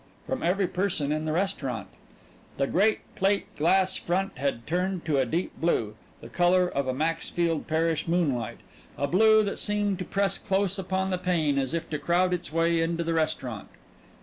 from every person in the restaurant. The great plate glass front had turned to a deep blue, the color of a Maxfield Parrish moonlight a blue that seemed to press close upon the pane as if to crowd its way into the restaurant.